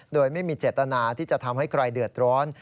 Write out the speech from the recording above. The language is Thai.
โดยไม่มีเจตนาที่จะทำให้ใครเดือดร้อน